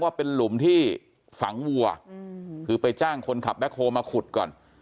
ว่าเป็นหลุมที่ฝังวัวคือไปจ้างคนขับแบ็คโฮลมาขุดก่อน